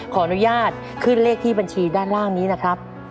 ขออนุญาตขึ้นเลขที่บัญชีด้านล่างนี้นะครับ